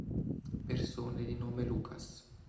Persone di nome Lukáš